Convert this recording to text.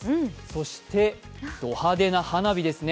そしてド派手な花火ですね。